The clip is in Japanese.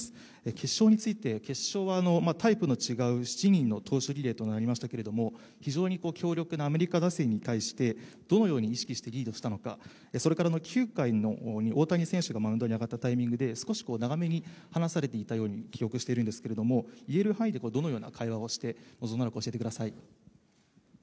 決勝について、決勝はタイプの違う７人の投手リレーとなりましたけど非常に強力なアメリカ打線に対してどのように意識してリードしたのか、それから９回の大谷選手がマウンドに上がったタイミングで少し長めに話されていたように記憶しているんですけれども、言える範囲でどのような会話をして臨んだのか、教えてください。